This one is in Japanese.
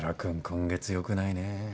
今月良くないね。